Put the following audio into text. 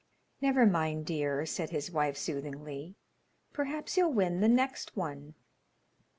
"Never mind, dear," said his wife, soothingly; "perhaps you'll win the next one."